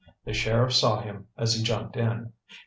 The sheriff saw him as he jumped in.